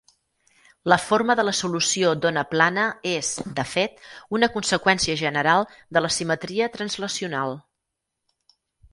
La forma de la solució d'ona plana és, de fet, una conseqüència general de la simetria translacional.